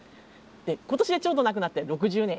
で今年でちょうど亡くなって６０年。